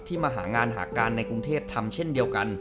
มาหางานหาการในกรุงเทพทำเช่นเดียวกัน